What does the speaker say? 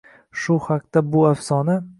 Shu haqda bu afsona.